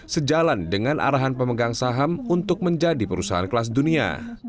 sejalan dengan arahan pemegang saham untuk menjadi perusahaan kelas dunia